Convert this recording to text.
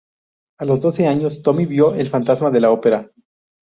A los doce años, Tommy vio el Fantasma de la Opera.